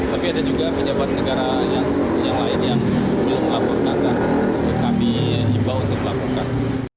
tapi ada juga penyelenggara negara yang lain yang belum melaporkan dan kami ingin melakukan